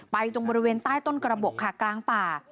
ตรงบริเวณใต้ต้นกระบบค่ะกลางป่า